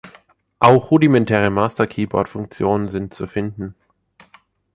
Auch rudimentäre Masterkeyboard-Funktionen sind zu finden.